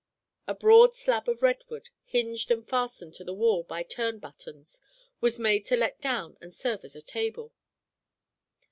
A broad slab of redwood, hinged and fastened to the wall by turn buttons, was made to let down and serve as a table.